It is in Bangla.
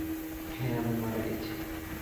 হ্যাঁ, আমি মারা গেছি!